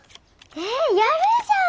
えっやるじゃん！